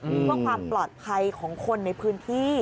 เพื่อความปลอดภัยของคนในพื้นที่